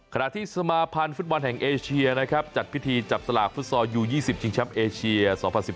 ขณะที่สมาพันธ์ฟุตบอลแห่งเอเชียนะครับจัดพิธีจับสลากฟุตซอลยู๒๐ชิงแชมป์เอเชีย๒๐๑๘